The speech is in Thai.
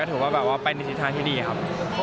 ถือว่าแบบว่าไปในทิศทางที่ดีครับ